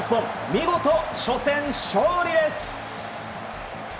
見事、初戦勝利です！